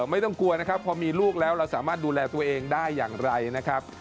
ไม่ต้องกลัวนะครับพอมีลูกแล้วเราสามารถดูแลตัวเองได้อย่างไรนะครับ